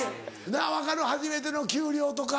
分かる初めての給料とか。